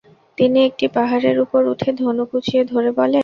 তিনি একটি পাহাড়ের উপর উঠে ধনুক উচিয়ে ধরে বলেন: